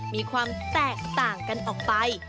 มีความแตกต่างกันออกไป